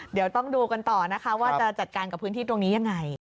เดี๋ยวต้องดูกันต่อนะคะว่าจะจัดการกับพื้นที่ตรงนี้ยังไง